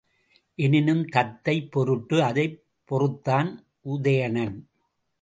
எனினும் தத்தை பொருட்டு அதைப் பொறுத்தான் உதயணன்.